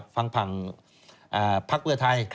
ฟังภักดิ์เวือไทย